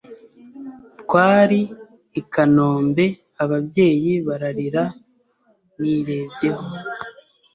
twari ikanombe ababyeyi bararira nirebyeho